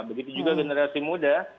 begitu juga generasi muda